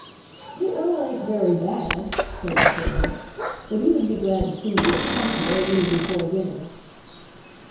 "The earl ain't very bad," said the servant, "but he would be glad to see you if possible a little before dinner."